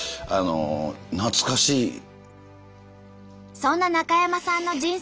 そんな中山さんの人生